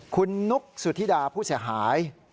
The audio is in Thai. คุณนุ๊กสุธิดาผู้เสียหาย